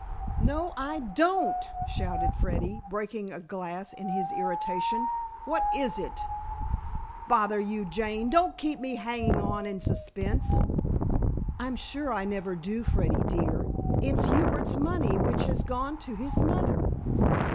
"No, I don't!" shouted Freddy, breaking a glass in his irritation. "What is it? Bother you, Jane. Don't keep me hanging on in suspense." "I'm sure I never do, Freddy, dear. It's Hubert's money which has gone to his mother."